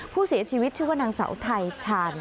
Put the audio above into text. ผู้เสียชีวิตชื่อว่านางสาวไทยชาญ